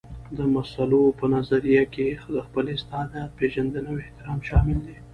د مسلو په نظريه کې د خپل استعداد پېژندنه او احترام شامل دي.